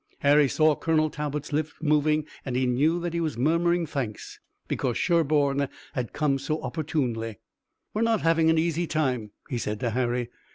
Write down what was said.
Harry saw Colonel Talbot's lips moving, and he knew that he was murmuring thanks because Sherburne had come so opportunely. "We're not having an easy time," he said to Harry.